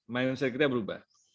mainan sekitarnya berubah